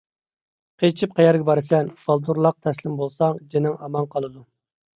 قېچىپ قەيەرگە بارىسەن؟ بالدۇرراق تەسلىم بولساڭ جېنىڭ ئامان قالىدۇ!